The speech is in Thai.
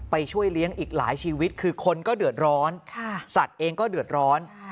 ช่วยเลี้ยงอีกหลายชีวิตคือคนก็เดือดร้อนสัตว์เองก็เดือดร้อน